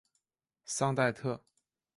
桑代特。